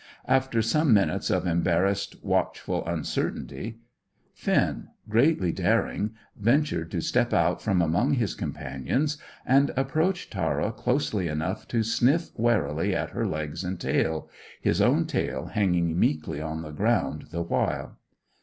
After some minutes of embarrassed, watchful uncertainty, Finn, greatly daring, ventured to step out from among his companions and approach Tara closely enough to sniff warily at her legs and tail, his own tail hanging meekly on the ground the while.